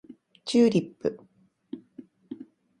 チューリップ